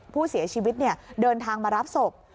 ผู้เสียชีวิตเดินทางมารับศพ